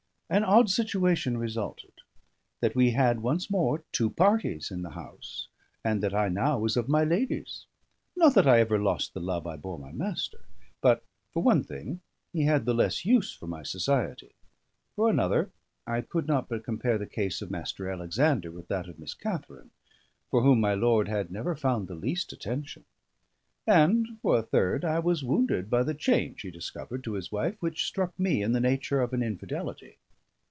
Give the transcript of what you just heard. An odd situation resulted: that we had once more two parties in the house, and that now I was of my lady's. Not that ever I lost the love I bore my master. But, for one thing, he had the less use for my society. For another, I could not but compare the case of Mr. Alexander with that of Miss Katharine, for whom my lord had never found the least attention. And for a third, I was wounded by the change he discovered to his wife, which struck me in the nature of an infidelity.